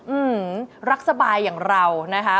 อืมรักสบายอย่างเรานะคะ